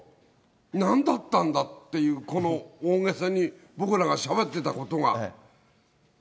なんだったんだっていう、このさんに僕らがしゃべってたことが。